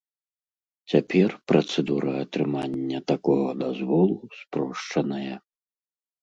Цяпер працэдура атрымання такога дазволу спрошчаная.